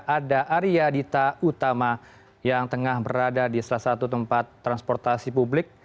ada arya dita utama yang tengah berada di salah satu tempat transportasi publik